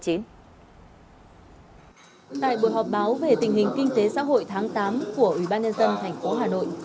tại buổi họp báo về tình hình kinh tế xã hội tháng tám của ủy ban nhân dân thành phố hà nội